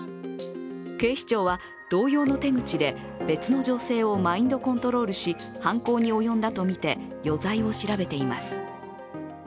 警視庁は同様の手口で別の女性をマインドコントロールし犯行に及んだとみて余罪を調べています。